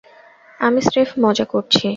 আমি স্রেফ মজা করছি।